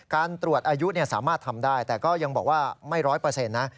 การตรวจอายุสามารถทำได้แต่ก็ยังบอกว่าไม่ร้อยเปอร์เซ็นต์นะ